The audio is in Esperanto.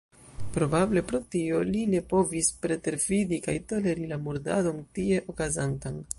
Probable pro tio li ne povis pretervidi kaj toleri la murdadon tie okazantan.